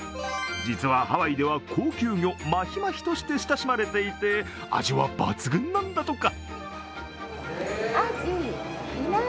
実はハワイでは高級魚マヒマヒとして親しまれていて味は抜群なんだとか。